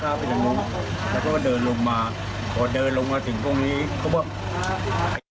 แล้วก็เดินลงมาก็เดินลงมาถึงตรงนี้เขาบอก